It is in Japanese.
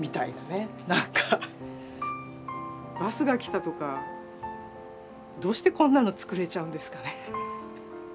「バスがきた」とかどうしてこんなの作れちゃうんですかね？